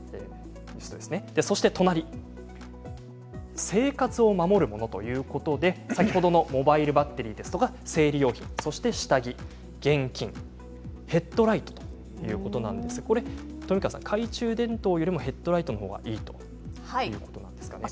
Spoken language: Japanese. そして隣生活を守るものということで先ほどのモバイルバッテリーですとか生理用品、下着、現金ヘッドライトということなんですが懐中電灯よりもヘッドライトのほうがいいということなんですかね。